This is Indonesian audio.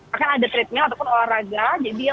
ada treadmill ataupun olahraga jadi yang